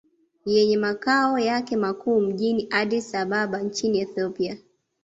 Yenye makao yake makuu mjini Addis Ababa nchini Ethiopia